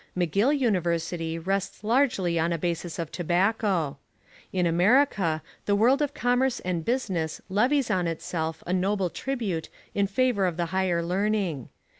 McGill University rests largely on a basis of tobacco. In America the world of commerce and business levies on itself a noble tribute in favour of the higher learning.